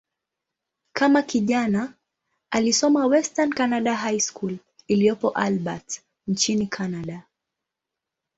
Kama kijana, alisoma "Western Canada High School" iliyopo Albert, nchini Kanada.